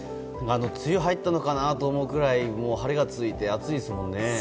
梅雨入ったのかなと思うぐらい晴れが続いて暑いですもんね。